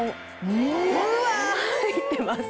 入ってます。